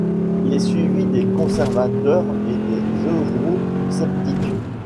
Il est suivi des conservateurs et des eurosceptiques.